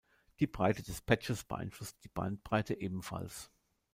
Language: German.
Die Breite des Patches beeinflusst die Bandbreite ebenfalls.